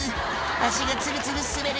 足がツルツル滑る」